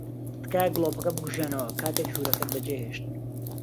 تکایە گڵۆپەکە بکوژێنەوە کاتێک ژوورەکەت بەجێھێشت.